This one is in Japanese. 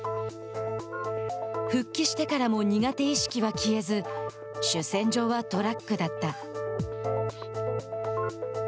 復帰してからも苦手意識は消えず主戦場はトラックだった。